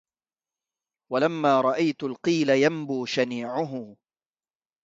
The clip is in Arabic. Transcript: ولما رأيت القيل ينبو شنيعه